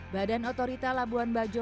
badan otorita labuan bajo